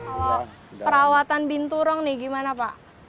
kalau perawatan binturong nih gimana pak